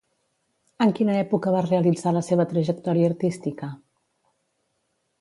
En quina època va realitzar la seva trajectòria artística?